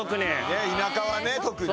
ねえ田舎はね特に。